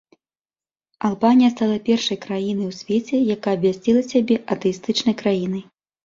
Албанія стала першай краінай у свеце, якая абвясціла сябе атэістычнай краінай.